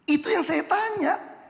itu yang saya tanya